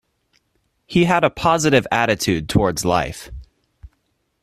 He had a positive attitude towards life.